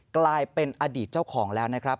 กลายเป็นอดีตเจ้าของแล้วนะครับ